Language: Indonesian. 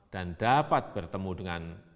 dan dapat bertemu dengan